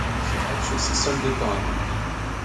Ce match s'est soldé par un nul.